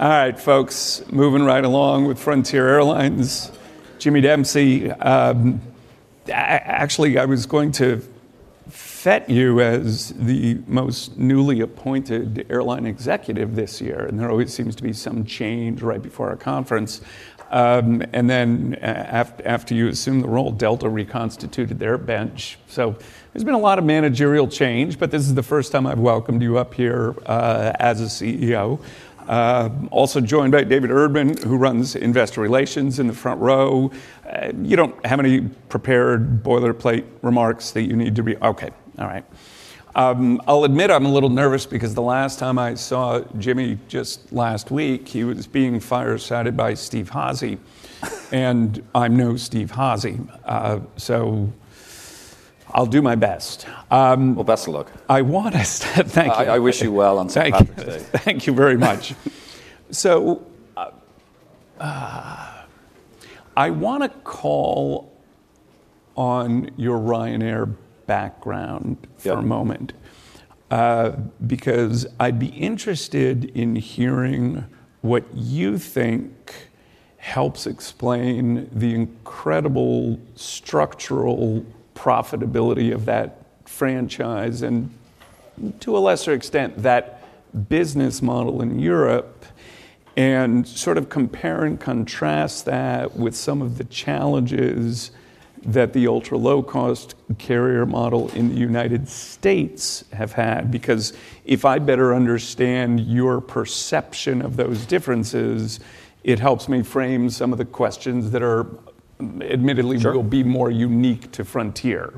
All right, folks. Moving right along with Frontier Airlines. Jimmy Dempsey, actually I was going to get you as the most newly appointed airline executive this year, and there always seems to be some change right before a conference. After you assumed the role, Delta reconstituted their bench. There's been a lot of managerial change, but this is the first time I've welcomed you up here as a CEO. Also joined by David Erdman, who runs investor relations in the front row. You don't have any prepared boilerplate remarks that you need to read? Okay. All right. I'll admit I'm a little nervous because the last time I saw Jimmy just last week, he was being firesided by Steve Házy, and I'm no Steve Házy. So I'll do my best. Well, best of luck. I want to say thank you. I wish you well on behalf of the team. Thank you. Thank you very much. I want to call on your Ryanair background. Yeah for a moment, because I'd be interested in hearing what you think helps explain the incredible structural profitability of that franchise and to a lesser extent, that business model in Europe, and sort of compare and contrast that with some of the challenges that the ultra low-cost carrier model in the United States have had. Because if I better understand your perception of those differences, it helps me frame some of the questions that are admittedly- Sure Will be more unique to Frontier.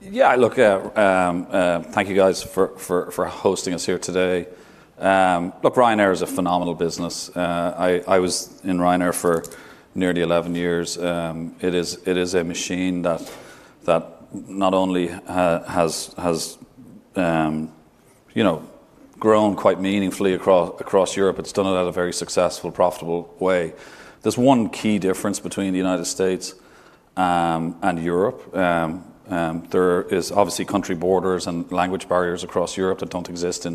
Yeah, look, thank you guys for hosting us here today. Look, Ryanair is a phenomenal business. I was in Ryanair for nearly 11 years. It is a machine that not only has you know grown quite meaningfully across Europe, it's done it at a very successful, profitable way. There's one key difference between the United States and Europe. There is obviously country borders and language barriers across Europe that don't exist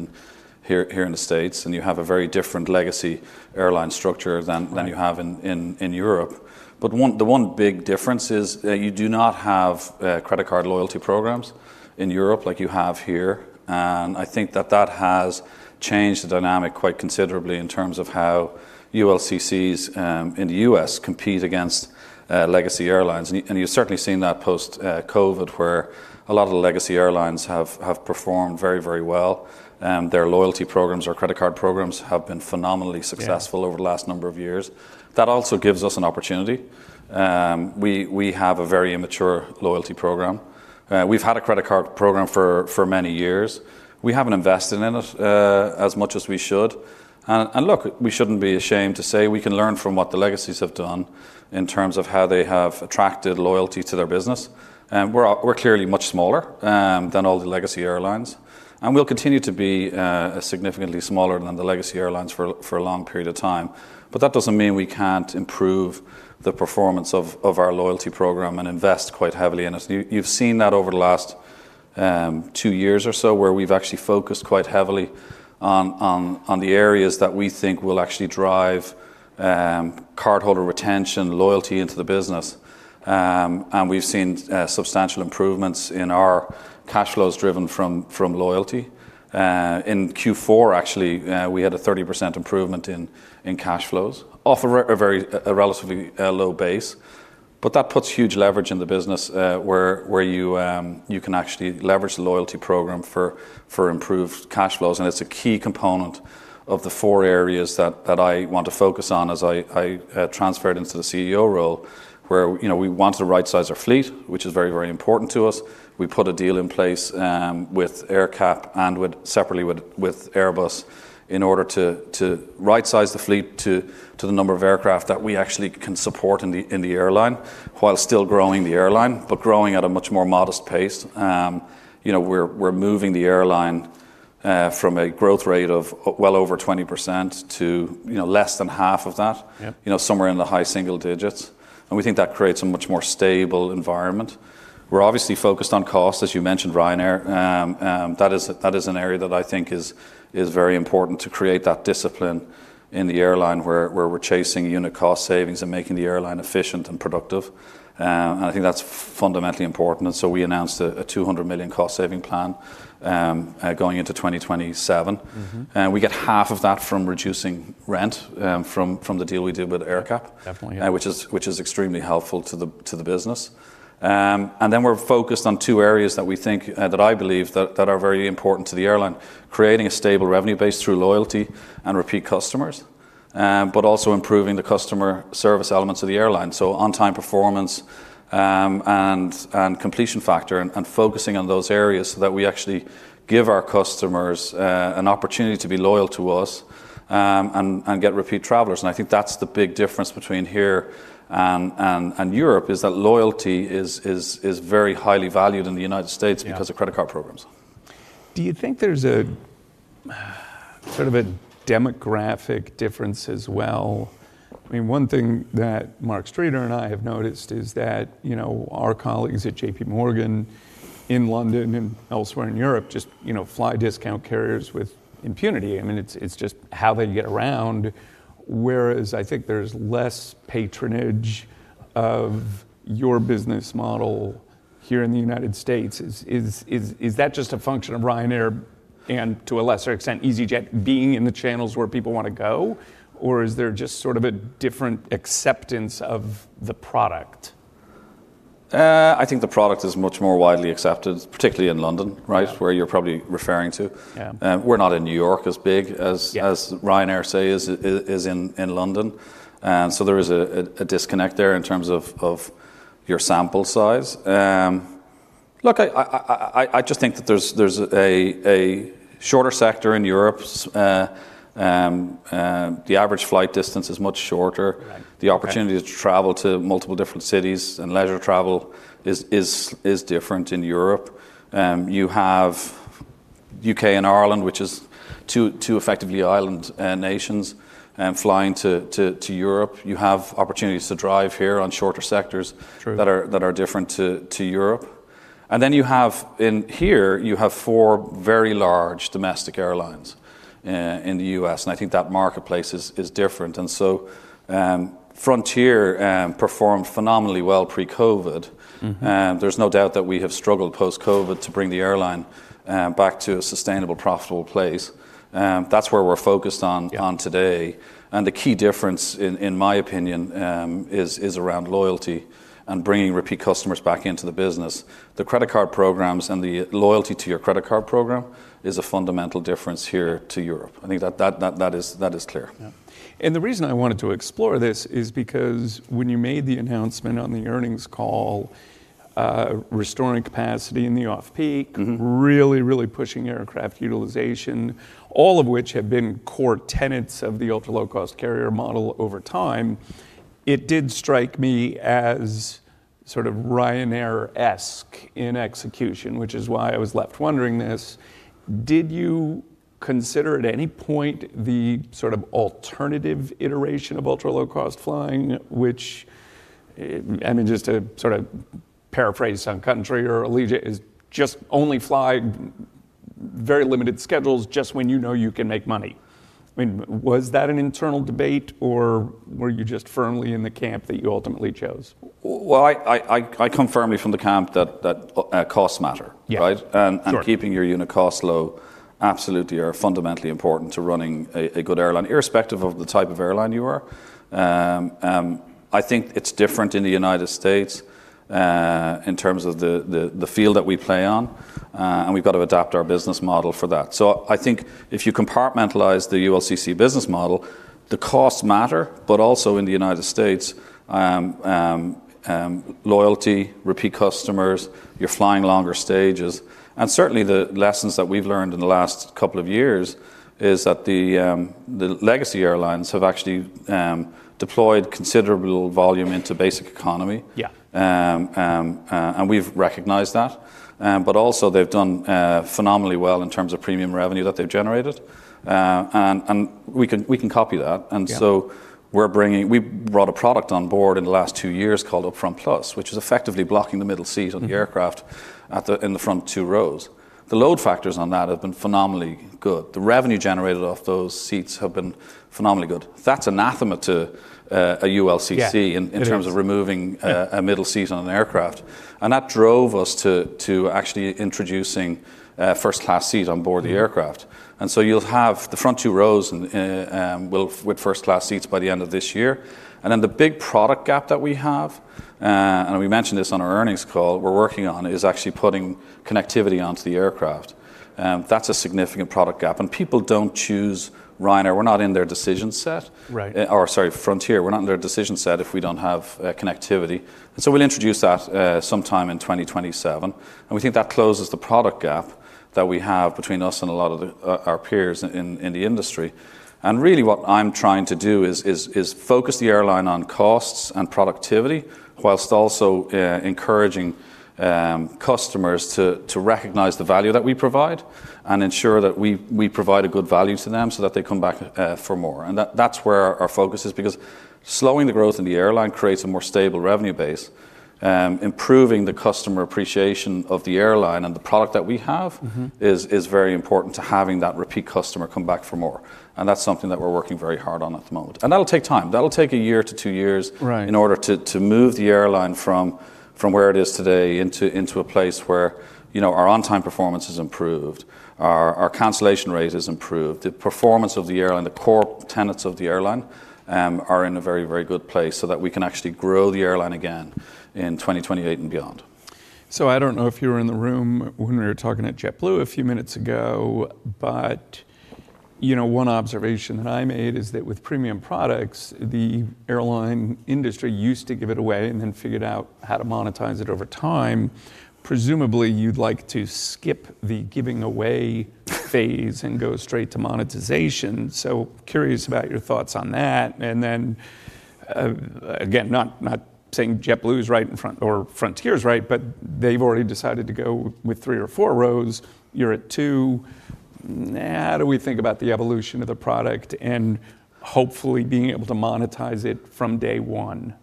here in the States, and you have a very different legacy airline structure than you have in Europe. The one big difference is you do not have credit card loyalty programs in Europe like you have here. I think that has changed the dynamic quite considerably in terms of how ULCCs in the U.S. compete against legacy airlines. You've certainly seen that post COVID, where a lot of the legacy airlines have performed very well. Their loyalty programs or credit card programs have been phenomenally successful. Yeah... over the last number of years. That also gives us an opportunity. We have a very immature loyalty program. We've had a credit card program for many years. We haven't invested in it as much as we should. Look, we shouldn't be ashamed to say we can learn from what the legacies have done in terms of how they have attracted loyalty to their business. We are clearly much smaller than all the legacy airlines, and we'll continue to be significantly smaller than the legacy airlines for a long period of time. That doesn't mean we can't improve the performance of our loyalty program and invest quite heavily in it. You've seen that over the last 2 years or so, where we've actually focused quite heavily on the areas that we think will actually drive cardholder retention loyalty into the business. We've seen substantial improvements in our cash flows driven from loyalty. In Q4, actually, we had a 30% improvement in cash flows off a relatively low base. That puts huge leverage in the business, where you can actually leverage the loyalty program for improved cash flows. It's a key component of the four areas that I want to focus on as I transferred into the CEO role, where, you know, we want to right-size our fleet, which is very, very important to us. We put a deal in place with AerCap and separately with Airbus in order to right-size the fleet to the number of aircraft that we actually can support in the airline while still growing the airline, but growing at a much more modest pace. You know, we're moving the airline from a growth rate of well over 20% to less than half of that. Yeah. You know, somewhere in the high single digits. We think that creates a much more stable environment. We're obviously focused on cost, as you mentioned, Ryanair. That is an area that I think is very important to create that discipline in the airline where we're chasing unit cost savings and making the airline efficient and productive. I think that's fundamentally important. We announced a $200 million cost saving plan going into 2027. Mm-hmm. We get half of that from reducing rent, from the deal we did with AerCap. Definitely, yeah. which is extremely helpful to the business. We're focused on two areas that I believe are very important to the airline, creating a stable revenue base through loyalty and repeat customers, but also improving the customer service elements of the airline, so on time performance, and completion factor and focusing on those areas so that we actually give our customers an opportunity to be loyal to us, and get repeat travelers. I think that's the big difference between here and Europe is that loyalty is very highly valued in the United States. Yeah because of credit card programs. Do you think there's a sort of a demographic difference as well? I mean, one thing that Mark Streeter and I have noticed is that, you know, our colleagues at JPMorgan in London and elsewhere in Europe just, you know, fly discount carriers with impunity. I mean, it's just how they get around. Whereas I think there's less patronage of your business model here in the United States. Is that just a function of Ryanair and to a lesser extent easyJet being in the channels where people want to go? Or is there just sort of a different acceptance of the product? I think the product is much more widely accepted, particularly in London, right? Yeah. where you're probably referring to. Yeah. We're not in New York as big as. Yeah. as Ryanair, say, is in London. There is a disconnect there in terms of your sample size. Look, I just think that there's a shorter sector in Europe. The average flight distance is much shorter. Right. Right. The opportunity to travel to multiple different cities and leisure travel is different in Europe. You have U.K. and Ireland, which is two effectively island nations flying to Europe. You have opportunities to drive here on shorter sectors. True. that are different to Europe. You have in here four very large domestic airlines in the U.S., and I think that marketplace is different. Frontier performed phenomenally well pre-COVID. Mm-hmm. There's no doubt that we have struggled post-COVID to bring the airline back to a sustainable, profitable place. That's where we're focused on. Yeah. -on today. The key difference, in my opinion, is around loyalty and bringing repeat customers back into the business. The credit card programs and the loyalty to your credit card program is a fundamental difference here to Europe. I think that is clear. Yeah. The reason I wanted to explore this is because when you made the announcement on the earnings call, restoring capacity in the off-peak. Mm-hmm. Really, really pushing aircraft utilization, all of which have been core tenets of the ultra low cost carrier model over time, it did strike me as sort of Ryanair-esque in execution, which is why I was left wondering this. Did you consider at any point the sort of alternative iteration of ultra low cost flying, which and just to sort of paraphrase Sun Country or Allegiant, is just only fly very limited schedules just when you know you can make money? I mean, was that an internal debate or were you just firmly in the camp that you ultimately chose? Well, I come firmly from the camp that costs matter, right? Yeah. Sure. Keeping your unit costs low absolutely are fundamentally important to running a good airline, irrespective of the type of airline you are. I think it's different in the United States in terms of the field that we play on, and we've got to adapt our business model for that. I think if you compartmentalize the ULCC business model, the costs matter, but also in the United States, loyalty, repeat customers, you're flying longer stages. Certainly the lessons that we've learned in the last couple of years is that the legacy airlines have actually deployed considerable volume into Basic Economy. Yeah. We've recognized that. Also they've done phenomenally well in terms of premium revenue that they've generated. We can copy that. Yeah. We brought a product on board in the last two years called UpFront Plus, which is effectively blocking the middle seat on the aircraft in the front two rows. The load factors on that have been phenomenally good. The revenue generated off those seats have been phenomenally good. That's anathema to a ULCC. Yeah. It is. in terms of removing Yeah. a middle seat on an aircraft. That drove us to actually introducing first class seats on board the aircraft. You'll have the front two rows and with first class seats by the end of this year. Then the big product gap that we have, and we mentioned this on our earnings call, we're working on, is actually putting connectivity onto the aircraft. That's a significant product gap. People don't choose Ryanair, we're not in their decision set. Right. Sorry, Frontier, we're not in their decision set if we don't have connectivity. We'll introduce that sometime in 2027. We think that closes the product gap that we have between us and a lot of our peers in the industry. Really what I'm trying to do is focus the airline on costs and productivity while also encouraging customers to recognize the value that we provide and ensure that we provide a good value to them so that they come back for more. That's where our focus is because slowing the growth in the airline creates a more stable revenue base. Improving the customer appreciation of the airline and the product that we have. Mm-hmm. is very important to having that repeat customer come back for more, and that's something that we're working very hard on at the moment. That'll take time. That'll take a year to 2 years. Right. In order to move the airline from where it is today into a place where, you know, our on-time performance is improved, our cancellation rate is improved, the performance of the airline, the core tenets of the airline, are in a very good place so that we can actually grow the airline again in 2028 and beyond. I don't know if you were in the room when we were talking at JetBlue a few minutes ago, but, you know, one observation that I made is that with premium products, the airline industry used to give it away and then figured out how to monetize it over time. Presumably, you'd like to skip the giving away phase and go straight to monetization. Curious about your thoughts on that. Again, not saying JetBlue is right in front or Frontier is right, but they've already decided to go with three or four rows. You're at two. How do we think about the evolution of the product and hopefully being able to monetize it from day one?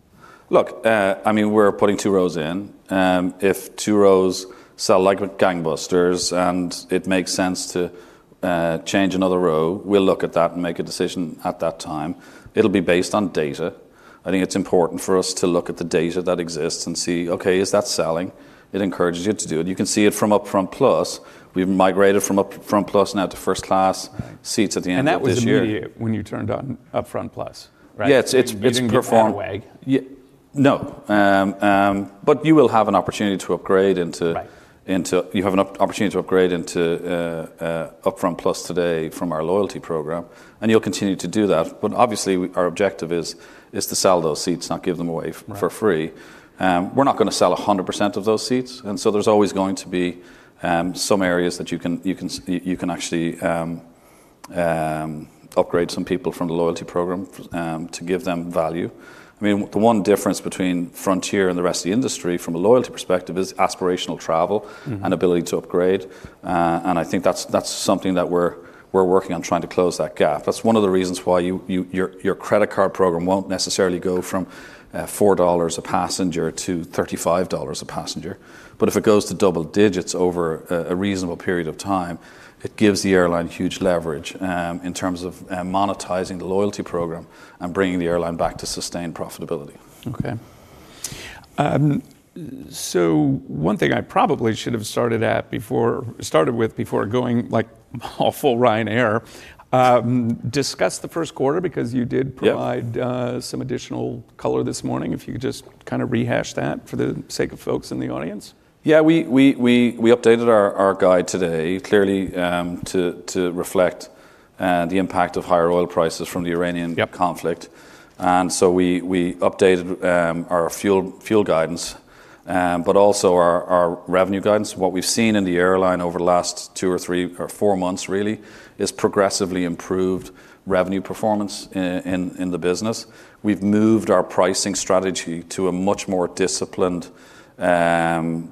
Look, I mean, we're putting two rows in. If two rows sell like gangbusters and it makes sense to change another row, we'll look at that and make a decision at that time. It'll be based on data. I think it's important for us to look at the data that exists and see, okay, is that selling? It encourages you to do it. You can see it from UpFront Plus. We've migrated from UpFront Plus now to First Class. Right seats at the end of this year. That was immediate when you turned on UpFront Plus, right? Yeah. It's performed. You didn't give that away. No. You will have an opportunity to upgrade into Right You have an opportunity to upgrade into UpFront Plus today from our loyalty program, and you'll continue to do that. Obviously, our objective is to sell those seats, not give them away for free. Right. We're not gonna sell 100% of those seats, and so there's always going to be some areas that you can actually upgrade some people from the loyalty program to give them value. I mean, the one difference between Frontier and the rest of the industry from a loyalty perspective is aspirational travel. Mm-hmm Ability to upgrade. I think that's something that we're working on trying to close that gap. That's one of the reasons why your credit card program won't necessarily go from $4 a passenger to $35 a passenger. If it goes to double digits over a reasonable period of time, it gives the airline huge leverage in terms of monetizing the loyalty program and bringing the airline back to sustained profitability. Okay. One thing I probably should have started with before going like all full Ryanair, discuss the first quarter because you did provide. Yeah some additional color this morning. If you could just kind of rehash that for the sake of folks in the audience. Yeah. We updated our guide today, clearly, to reflect the impact of higher oil prices from the Iranian- Yep conflict. We updated our fuel guidance, but also our revenue guidance. What we've seen in the airline over the last 2 or 3 or 4 months really is progressively improved revenue performance in the business. We've moved our pricing strategy to a much more disciplined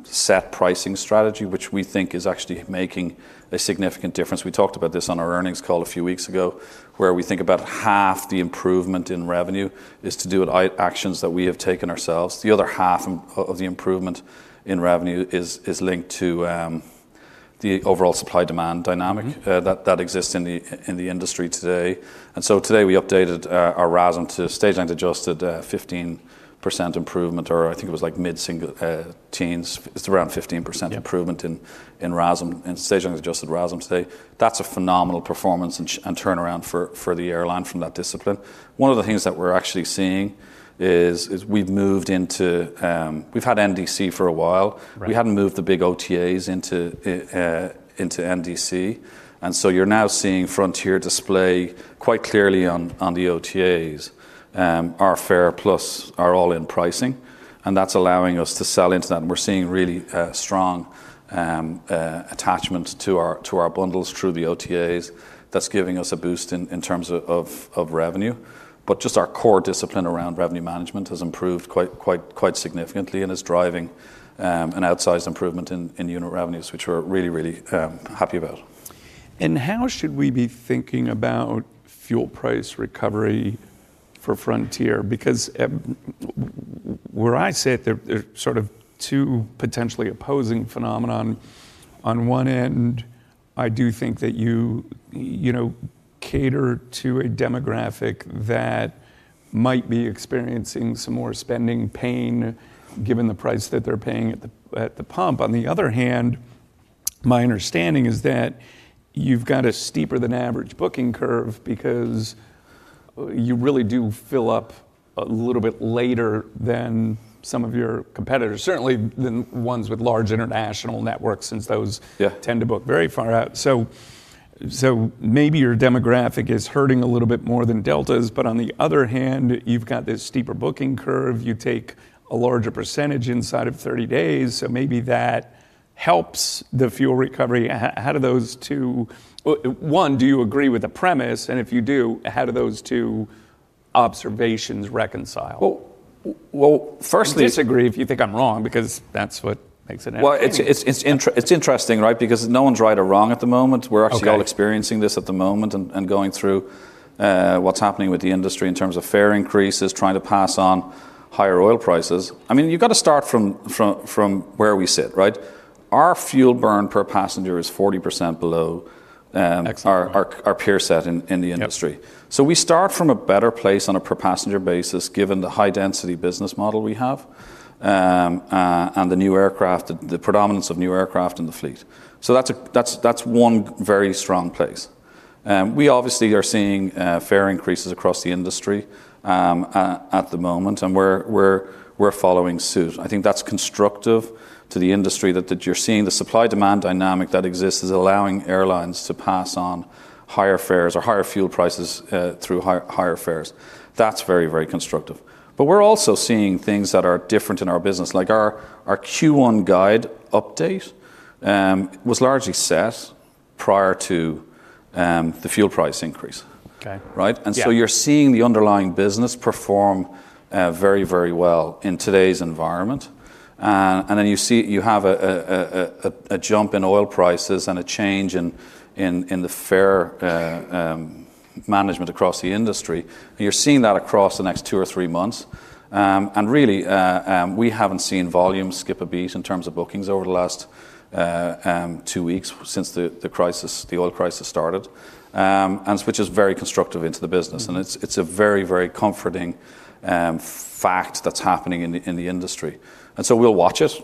seat pricing strategy, which we think is actually making a significant difference. We talked about this on our earnings call a few weeks ago, where we think about half the improvement in revenue is to do with actions that we have taken ourselves. The other half of the improvement in revenue is linked to the overall supply-demand dynamic. Mm-hmm That exists in the industry today. Today, we updated our RASM to stage-length-adjusted 15% improvement, or I think it was like mid-single teens.It's around 15% improvement. Yeah in RASM, in stage-length-adjusted RASM today. That's a phenomenal performance and turnaround for the airline from that discipline. One of the things that we're actually seeing is we've had NDC for a while. Right. We hadn't moved the big OTAs into NDC. You're now seeing Frontier display quite clearly on the OTAs our Fare Plus, our all-in pricing, and that's allowing us to sell into that. We're seeing really strong attachment to our bundles through the OTAs that's giving us a boost in terms of revenue. Just our core discipline around revenue management has improved quite significantly and is driving an outsized improvement in unit revenues, which we're really happy about. How should we be thinking about fuel price recovery for Frontier? Because where I sit, there's sort of two potentially opposing phenomenon. On one end, I do think that you know cater to a demographic that might be experiencing some more spending pain given the price that they're paying at the pump. On the other hand, my understanding is that you've got a steeper than average booking curve because you really do fill up a little bit later than some of your competitors. Certainly than ones with large international networks since those. Yeah Tend to book very far out. Maybe your demographic is hurting a little bit more than Delta's. But on the other hand, you've got this steeper booking curve. You take a larger percentage inside of 30 days, so maybe that helps the fuel recovery. How do those two well, one, do you agree with the premise? If you do, how do those two observations reconcile? Well, firstly. Disagree if you think I'm wrong because that's what makes it entertaining. Well, it's interesting, right? Because no one's right or wrong at the moment. Okay. We're actually all experiencing this at the moment and going through what's happening with the industry in terms of fare increases, trying to pass on higher oil prices. I mean, you've got to start from where we sit, right? Our fuel burn per passenger is 40% below. Excellent our peer set in the industry. Yep. We start from a better place on a per passenger basis given the high density business model we have, and the new aircraft, the predominance of new aircraft in the fleet. That's one very strong place. We obviously are seeing fare increases across the industry at the moment, and we're following suit. I think that's constructive to the industry that you're seeing the supply-demand dynamic that exists is allowing airlines to pass on higher fares or higher fuel prices through higher fares. That's very constructive. We're also seeing things that are different in our business, like our Q1 guide update was largely set prior to the fuel price increase. Okay. Right? Yeah. You're seeing the underlying business perform very, very well in today's environment. You see you have a jump in oil prices and a change in the fare management across the industry. You're seeing that across the next two or three months. Really, we haven't seen volume skip a beat in terms of bookings over the last two weeks since the crisis, the oil crisis started. Which is very constructive into the business. It's a very, very comforting fact that's happening in the industry. We'll watch it.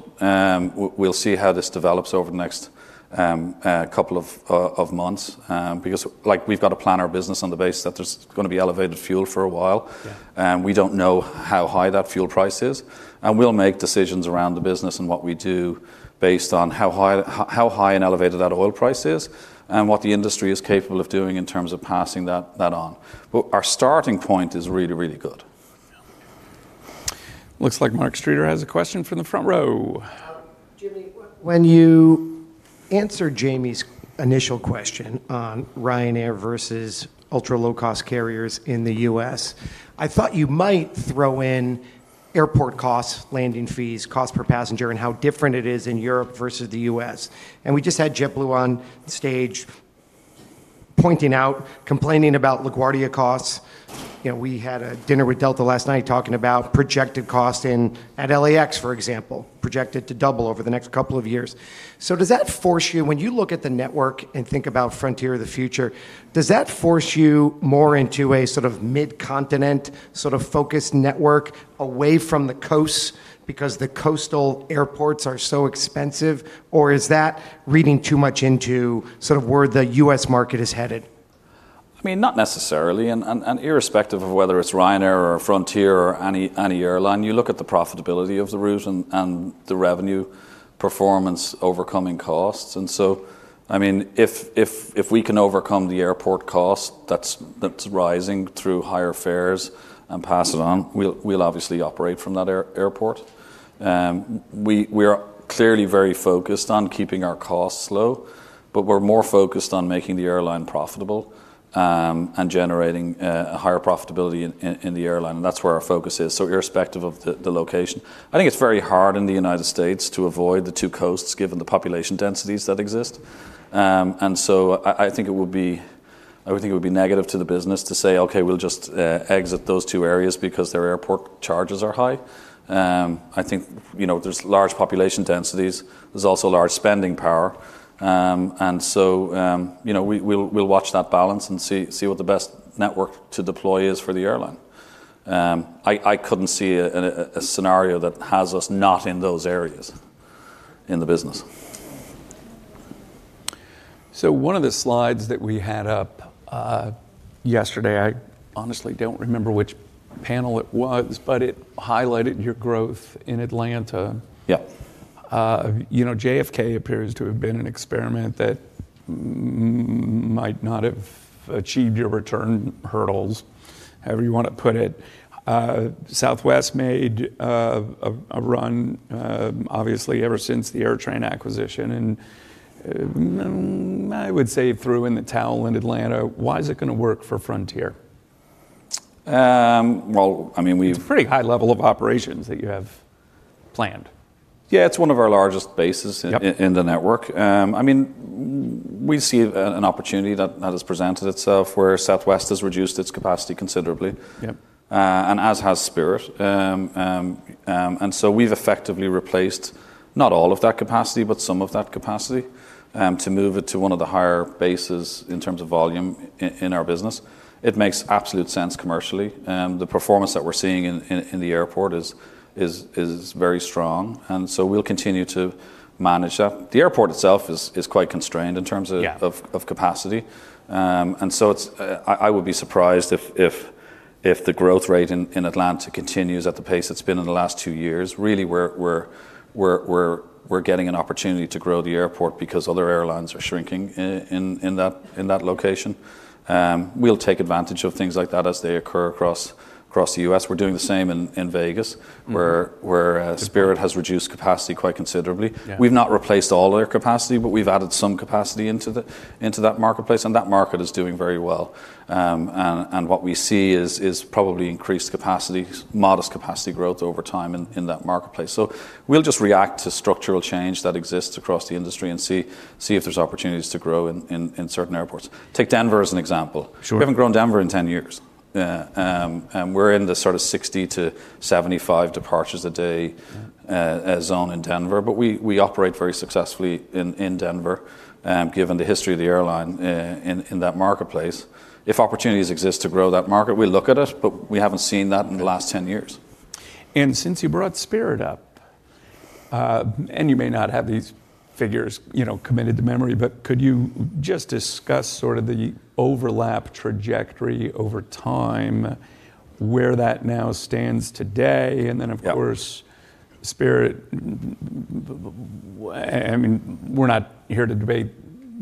We'll see how this develops over the next couple of months. Because like we've got to plan our business on the basis that there's gonna be elevated fuel for a while. Yeah. We don't know how high that fuel price is, and we'll make decisions around the business and what we do based on how high and elevated that oil price is and what the industry is capable of doing in terms of passing that on. Our starting point is really, really good. Looks like Mark Streeter has a question from the front row. When you answered Jamie's initial question on Ryanair versus ultra-low-cost carriers in the U.S., I thought you might throw in airport costs, landing fees, cost per passenger, and how different it is in Europe versus the U.S. We just had JetBlue on stage pointing out, complaining about LaGuardia costs. You know, we had a dinner with Delta last night talking about projected cost at LAX, for example, projected to double over the next couple of years. Does that force you, when you look at the network and think about Frontier of the future, more into a sort of mid-continent sort of focused network away from the coasts because the coastal airports are so expensive. Is that reading too much into sort of where the U.S. market is headed? I mean, not necessarily. Irrespective of whether it's Ryanair or Frontier or any airline, you look at the profitability of the route and the revenue performance overcoming costs. I mean, if we can overcome the airport cost that's rising through higher fares and pass it on. Mm-hmm We'll obviously operate from that airport. We're clearly very focused on keeping our costs low, but we're more focused on making the airline profitable and generating a higher profitability in the airline. That's where our focus is. Irrespective of the location. I think it's very hard in the United States to avoid the two coasts given the population densities that exist. I think it would be negative to the business to say, "Okay, we'll just exit those two areas because their airport charges are high." I think, you know, there's large population densities. There's also large spending power. You know, we'll watch that balance and see what the best network to deploy is for the airline. I couldn't see a scenario that has us not in those areas in the business. One of the slides that we had up yesterday, I honestly don't remember which panel it was, but it highlighted your growth in Atlanta. Yep. You know, JFK appears to have been an experiment that might not have achieved your return hurdles, however you want to put it. Southwest made a run, obviously ever since the AirTran acquisition, and I would say threw in the towel in Atlanta. Why is it gonna work for Frontier? Well, I mean, It's a pretty high level of operations that you have planned. Yeah. It's one of our largest bases. Yep In the network. I mean, we see an opportunity that has presented itself where Southwest has reduced its capacity considerably. Yep. As has Spirit. We've effectively replaced not all of that capacity, but some of that capacity, to move it to one of the higher bases in terms of volume in our business. It makes absolute sense commercially. The performance that we're seeing in the airport is very strong. We'll continue to manage that. The airport itself is quite constrained in terms of Yeah... of capacity. I would be surprised if the growth rate in Atlanta continues at the pace it's been in the last two years. Really, we're getting an opportunity to grow the airport because other airlines are shrinking in that location. We'll take advantage of things like that as they occur across the U.S. We're doing the same in Vegas where Mm-hmm Spirit has reduced capacity quite considerably. Yeah. We've not replaced all their capacity, but we've added some capacity into that marketplace, and that market is doing very well. What we see is probably increased capacity, modest capacity growth over time in that marketplace. We'll just react to structural change that exists across the industry and see if there's opportunities to grow in certain airports. Take Denver as an example. Sure. We haven't grown Denver in 10 years. We're in the sort of 60-75 departures a day- Mm-hmm zone in Denver, but we operate very successfully in Denver, given the history of the airline in that marketplace. If opportunities exist to grow that market, we look at it, but we haven't seen that in the last 10 years. Since you brought Spirit up, and you may not have these figures, you know, committed to memory, but could you just discuss sort of the overlap trajectory over time, where that now stands today? Then of course. Yeah... Spirit, I mean, we're not here to debate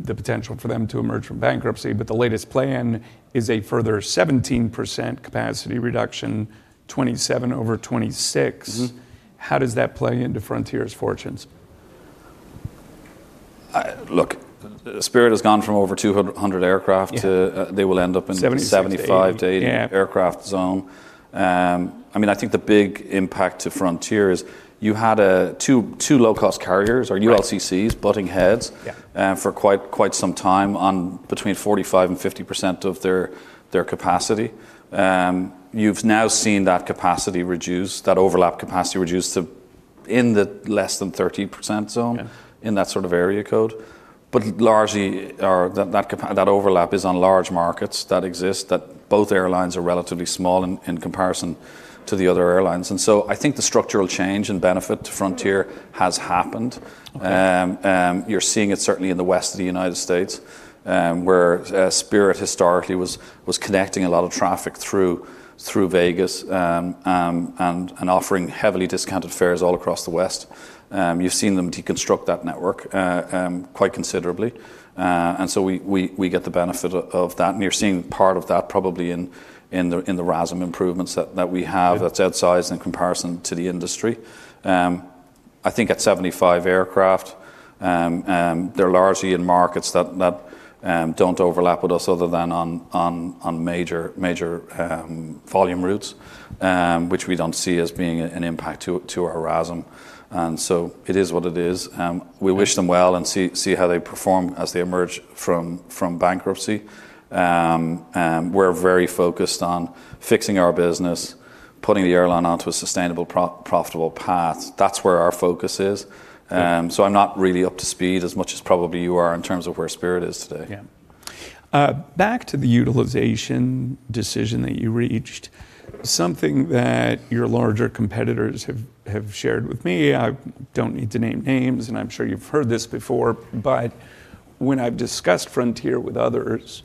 the potential for them to emerge from bankruptcy, but the latest plan is a further 17% capacity reduction, 2027 over 2026. Mm-hmm. How does that play into Frontier's fortunes? Look, Spirit has gone from over 200 aircraft to, they will end up in- 70s-80%. 75 to 80- Yeah Aircraft zone. I mean, I think the big impact to Frontier is you had 2 low-cost carriers or ULCCs butting heads. Yeah For quite some time on between 45% and 50% of their capacity. You've now seen that capacity reduced, that overlap capacity reduced to in the less than 13% zone- Yeah In that sort of area code. Largely, that overlap is on large markets that exist that both airlines are relatively small in comparison to the other airlines. I think the structural change and benefit to Frontier has happened. You're seeing it certainly in the West of the United States, where Spirit historically was connecting a lot of traffic through Vegas, and offering heavily discounted fares all across the West. You've seen them deconstruct that network quite considerably. We get the benefit of that, and you're seeing part of that probably in the RASM improvements that we have. Yeah That's outsized in comparison to the industry. I think at 75 aircraft, they're largely in markets that don't overlap with us other than on major volume routes, which we don't see as being an impact to our RASM. It is what it is. We wish them well and see how they perform as they emerge from bankruptcy. We're very focused on fixing our business, putting the airline onto a sustainable profitable path. That's where our focus is. I'm not really up to speed as much as probably you are in terms of where Spirit is today. Yeah. Back to the utilization decision that you reached. Something that your larger competitors have shared with me, I don't need to name names, and I'm sure you've heard this before, but when I've discussed Frontier with others,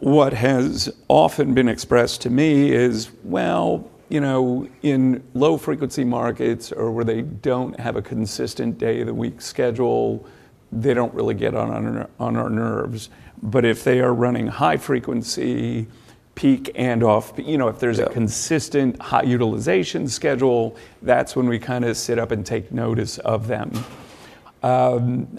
what has often been expressed to me is, well, you know, in low-frequency markets or where they don't have a consistent day-of-the-week schedule, they don't really get on our nerves. If they are running high-frequency peak and off-peak. Yeah A consistent high utilization schedule, that's when we kind of sit up and take notice of them. One,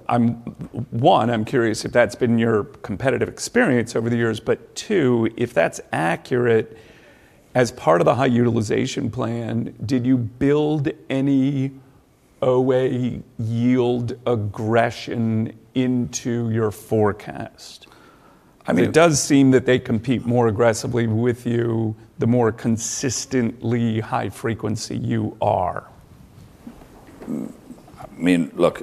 I'm curious if that's been your competitive experience over the years. Two, if that's accurate, as part of the high utilization plan, did you build any OA yield aggression into your forecast? I mean, it does seem that they compete more aggressively with you the more consistently high frequency you are. I mean, look,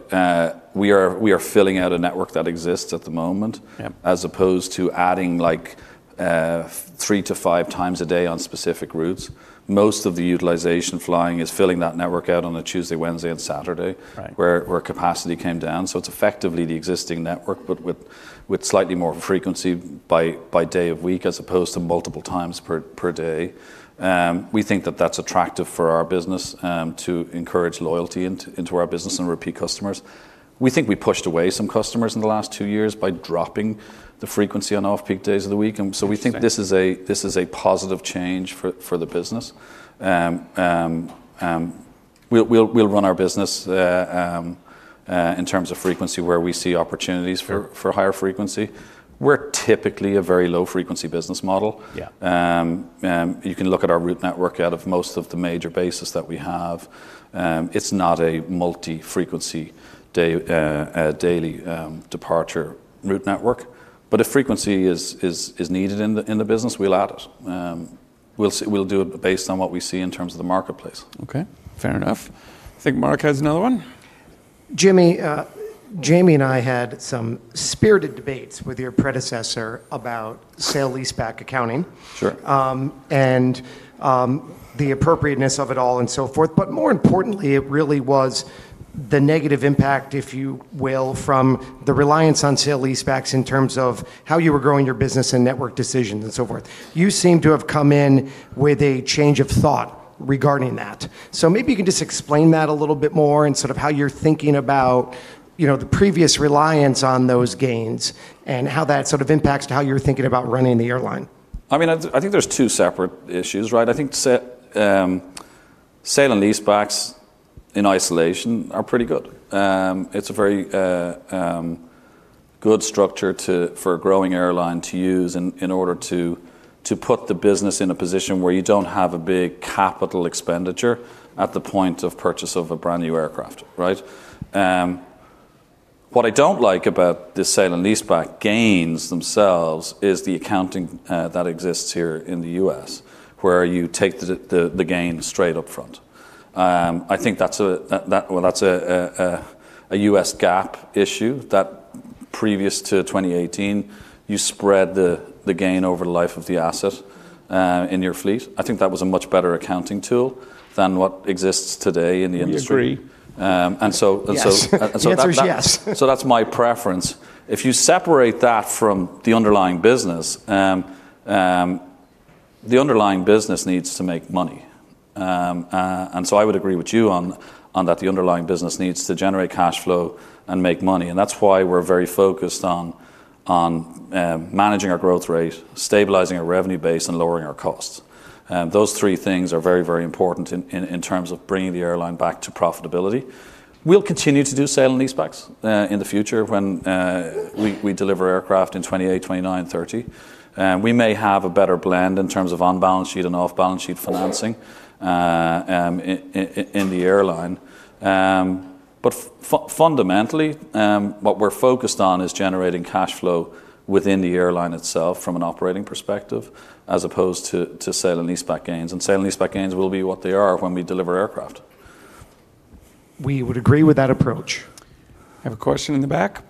we are filling out a network that exists at the moment. Yeah As opposed to adding like 3-5 times a day on specific routes. Most of the utilization flying is filling that network out on a Tuesday, Wednesday, and Saturday. Right Where capacity came down. It's effectively the existing network, but with slightly more frequency by day of week as opposed to multiple times per day. We think that that's attractive for our business to encourage loyalty into our business and repeat customers. We think we pushed away some customers in the last two years by dropping the frequency on off-peak days of the week. We think this is a positive change for the business. We'll run our business in terms of frequency where we see opportunities for higher frequency. We're typically a very low frequency business model. Yeah. You can look at our route network out of most of the major bases that we have. It's not a multi-frequency daily departure route network. If frequency is needed in the business, we'll add it. We'll do it based on what we see in terms of the marketplace. Okay. Fair enough. I think Mark has another one. Jimmy, Jamie and I had some spirited debates with your predecessor about sale leaseback accounting. Sure. The appropriateness of it all and so forth. More importantly, it really was the negative impact, if you will, from the reliance on sale leasebacks in terms of how you were growing your business and network decisions and so forth. You seem to have come in with a change of thought regarding that. Maybe you can just explain that a little bit more and sort of how you're thinking about, you know, the previous reliance on those gains and how that sort of impacts to how you're thinking about running the airline. I mean, I think there's two separate issues, right? I think sale and leasebacks in isolation are pretty good. It's a very good structure for a growing airline to use in order to put the business in a position where you don't have a big capital expenditure at the point of purchase of a brand-new aircraft, right? What I don't like about the sale and leaseback gains themselves is the accounting that exists here in the US, where you take the gain straight up front. I think that's a US GAAP issue that previous to 2018, you spread the gain over the life of the asset in your fleet. I think that was a much better accounting tool than what exists today in the industry. We agree. Um, and so, and so- Yes. The answer is yes. That's my preference. If you separate that from the underlying business, the underlying business needs to make money. I would agree with you on that the underlying business needs to generate cash flow and make money, and that's why we're very focused on managing our growth rate, stabilizing our revenue base, and lowering our costs. Those three things are very important in terms of bringing the airline back to profitability. We'll continue to do sale-leasebacks in the future when we deliver aircraft in 2028, 2029, and 2030. We may have a better blend in terms of on-balance sheet and off-balance sheet financing in the airline. Fundamentally, what we're focused on is generating cash flow within the airline itself from an operating perspective as opposed to sale and leaseback gains. Sale and leaseback gains will be what they are when we deliver aircraft. We would agree with that approach. I have a question in the back.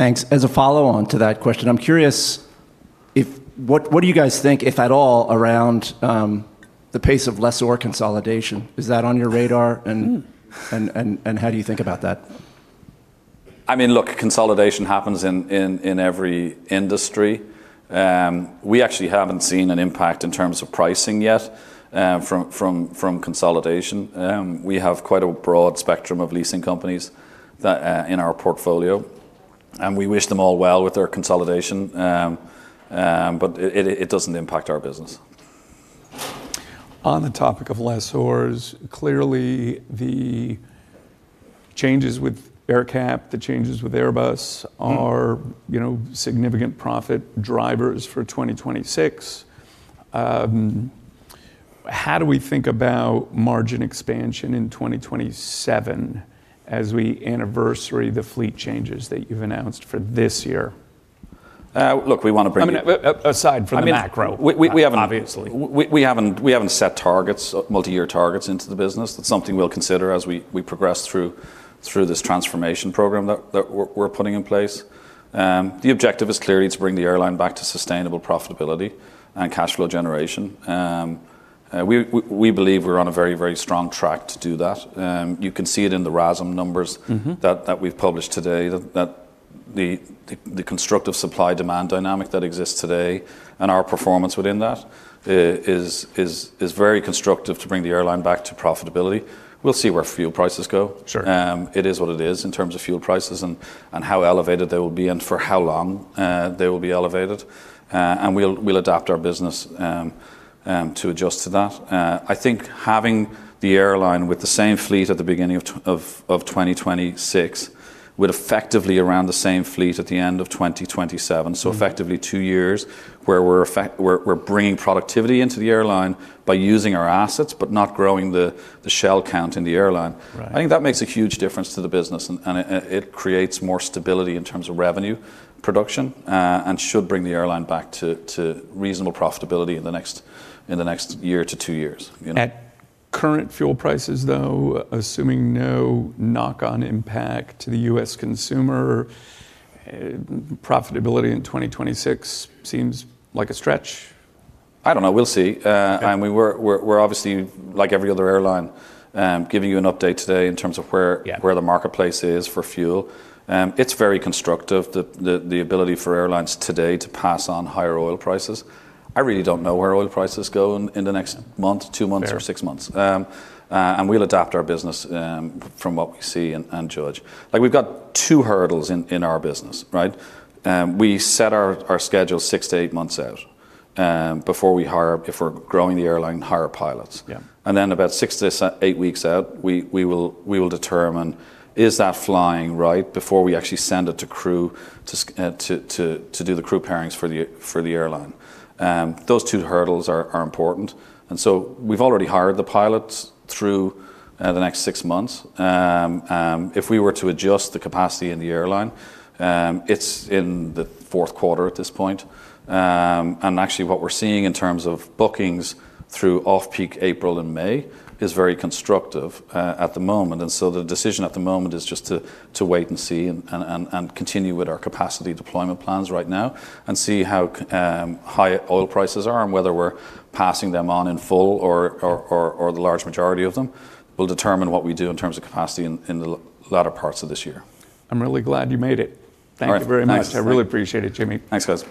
Thanks. As a follow-on to that question, I'm curious. What do you guys think, if at all, around the pace of lessor consolidation? Is that on your radar? Hmm. How do you think about that? I mean, look, consolidation happens in every industry. We actually haven't seen an impact in terms of pricing yet from consolidation. We have quite a broad spectrum of leasing companies that in our portfolio, and we wish them all well with their consolidation. It doesn't impact our business. On the topic of lessors, clearly the changes with AerCap, the changes with Airbus. Mm... are, you know, significant profit drivers for 2026. How do we think about margin expansion in 2027 as we anniversary the fleet changes that you've announced for this year? Look, we wanna bring- I mean, aside from the macro- I mean, we haven't. Obviously. We haven't set targets, multi-year targets into the business. That's something we'll consider as we progress through this transformation program that we're putting in place. The objective is clearly to bring the airline back to sustainable profitability and cash flow generation. We believe we're on a very strong track to do that. You can see it in the RASM numbers. Mm-hmm that we've published today. The constructive supply-demand dynamic that exists today and our performance within that is very constructive to bring the airline back to profitability. We'll see where fuel prices go. Sure. It is what it is in terms of fuel prices and how elevated they will be and for how long they will be elevated. We'll adapt our business to adjust to that. I think having the airline with the same fleet at the beginning of 2026 with effectively around the same fleet at the end of 2027. Mm Effectively two years where we're bringing productivity into the airline by using our assets but not growing the seat count in the airline. Right. I think that makes a huge difference to the business and it creates more stability in terms of revenue production, and should bring the airline back to reasonable profitability in the next year to two years, you know. At current fuel prices though, assuming no knock-on impact to the U.S. consumer, profitability in 2026 seems like a stretch. I don't know. We'll see. Okay I mean, we're obviously, like every other airline, giving you an update today in terms of where- Yeah where the marketplace is for fuel. It's very constructive, the ability for airlines today to pass on higher oil prices. I really don't know where oil prices go in the next month, two months. Fair or 6 months. We'll adapt our business from what we see and judge. Like, we've got two hurdles in our business, right? We set our schedule 6-8 months out before we hire if we're growing the airline, hire pilots. Yeah. Then about 6-8 weeks out, we will determine is that flying right before we actually send it to crew to do the crew pairings for the airline. Those two hurdles are important. We've already hired the pilots through the next 6 months. If we were to adjust the capacity in the airline, it's in the fourth quarter at this point. Actually what we're seeing in terms of bookings through off-peak April and May is very constructive at the moment. The decision at the moment is just to wait and see and continue with our capacity deployment plans right now and see how high oil prices are and whether we're passing them on in full or the large majority of them will determine what we do in terms of capacity in the latter parts of this year. I'm really glad you made it. All right. Thank you very much. Thanks. I really appreciate it, Jimmy. Thanks, guys.